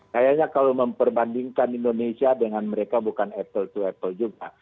kayaknya kalau memperbandingkan indonesia dengan mereka bukan apple to apple juga